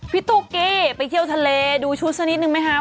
ตุ๊กกี้ไปเที่ยวทะเลดูชุดสักนิดนึงไหมคะ